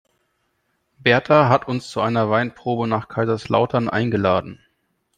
Berta hat uns zu einer Weinprobe nach Kaiserslautern eingeladen.